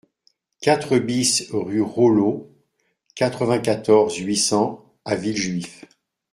quatre BIS rue Reulos, quatre-vingt-quatorze, huit cents à Villejuif